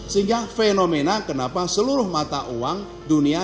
sehingga fenomena kenapa seluruh mata uang dunia